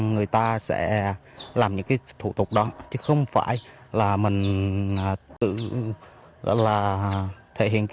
người ta sẽ làm những thủ tục đó chứ không phải là mình tự thể hiện